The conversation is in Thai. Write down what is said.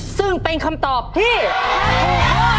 ซึ่งเป็นคำตอบที่ถูกพอดี๑ล้านบาท